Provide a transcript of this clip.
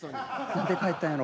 何で帰ったんやろ？